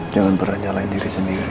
jangan pernah nyalain diri sendiri